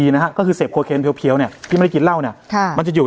นะฮะก็คือเสพโคเคนเพียวเนี่ยที่ไม่ได้กินเหล้าเนี่ยค่ะมันจะอยู่